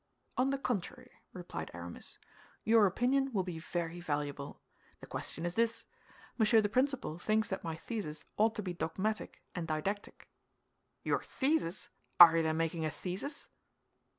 "On the contrary," replied Aramis, "your opinion will be very valuable. The question is this: Monsieur the Principal thinks that my thesis ought to be dogmatic and didactic." "Your thesis! Are you then making a thesis?"